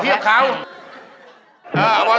เอาออกมาเอาออกมาเอาออกมา